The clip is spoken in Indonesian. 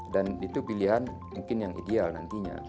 dan itu pilihan mungkin yang ideal nantinya